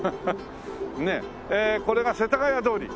えこれが世田谷通り。